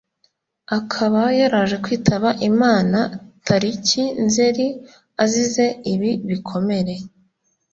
akaba yaraje kwitaba Imana tariki Nzeli azize ibi bikomere